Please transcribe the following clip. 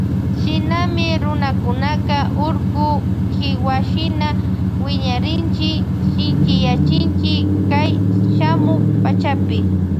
Shinami runakunaka urku kiwashina wiñarinchi shinchiyanchi kay shamuk pachapi.